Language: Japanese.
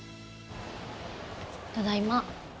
ただいま。